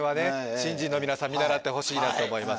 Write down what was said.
新人の皆さん見習ってほしいなと思います